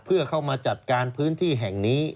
เพื่อเข้ามาจัดการพื้นที่แห่งนี้